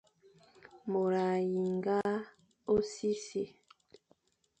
Môr a yinga ôsṽi e si.